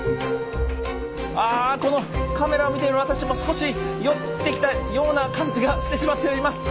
あこのカメラを見ている私も少し酔ってきたような感じがしてしまっております。